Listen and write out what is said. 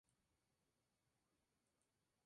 El problema es encontrar las posiciones de "P" y "P".